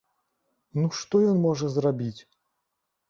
Ну, што ён можа зрабіць?